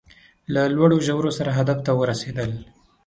له لوړو ژورو سره هدف ته ورسېدل